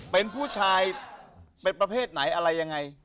เป็นผู้ชายเป็นประเภทไหนอะไรยังไง